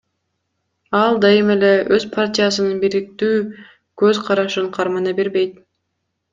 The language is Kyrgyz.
Ал дайым эле өз партиясынын бирдиктүү көз карашын кармана бербейт.